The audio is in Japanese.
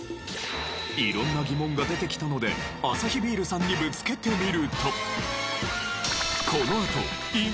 色んな疑問が出てきたのでアサヒビールさんにぶつけてみると。